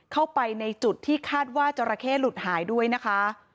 เข้าไปในจุดที่คาดว่าจราเข้หลุดหายด้วยนะคะ